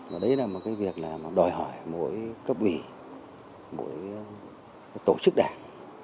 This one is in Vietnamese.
và đấy là một cái việc là đòi hỏi mỗi cấp ủy mỗi tổ chức đảng